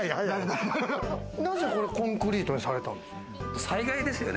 なぜ、このコンクリートにされたんですか？